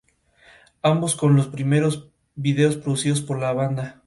Existen otras zonas del planeta donde había escritura.